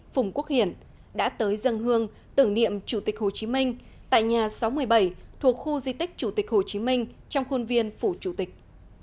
phùng quốc hiển đã tới dân hương tưởng niệm chủ tịch hồ chí minh tại nhà sáu mươi bảy thuộc khu di tích chủ tịch hồ chí minh trong khuôn viên phủ chủ tịch